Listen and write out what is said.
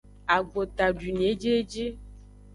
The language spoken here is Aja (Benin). Agbota dwini ejieji.